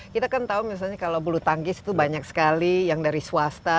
kita kan tahu misalnya kalau bulu tangkis itu banyak sekali yang dari swasta